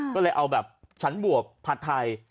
ก็เลยเอาแบบฉันบวบผัดไทย